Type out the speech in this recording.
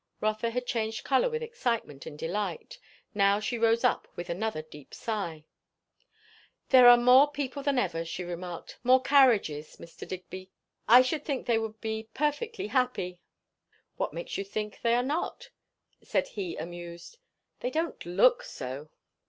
Rotha had changed colour with excitement and delight; now she rose up with another deep sigh. "There are more people than ever," she remarked; "more carriages. Mr. Digby, I should think they would be perfectly happy?" "What makes you think they are not?" said he amused. "They don't look so."